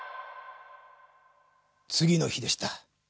次の日でした。